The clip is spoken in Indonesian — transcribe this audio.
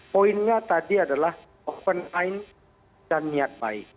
poinnya tadi adalah open mind dan niat baik